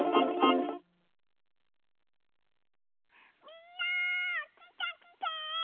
みんなきてきて！